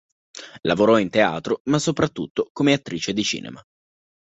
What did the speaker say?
Lavorò in teatro, ma soprattutto come attrice di cinema.